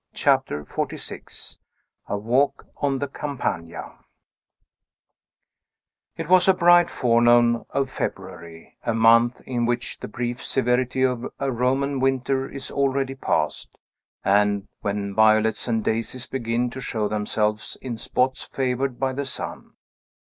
CHAPTER XLVI A WALK ON THE CAMPAGNA It was a bright forenoon of February; a month in which the brief severity of a Roman winter is already past, and when violets and daisies begin to show themselves in spots favored by the sun.